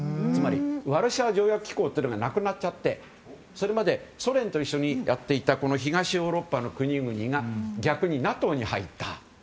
つまり、ワルシャワ条約機構というのがなくなっちゃってそれまで、ソ連と一緒にやっていた東ヨーロッパの国々が逆にＮＡＴＯに入った。